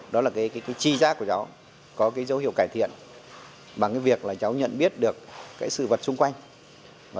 đó là chi giác của cháu có dấu hiệu cải thiện bằng việc cháu nhận biết được sự vật xung quanh